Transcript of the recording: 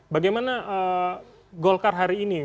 bagaimana golkar hari ini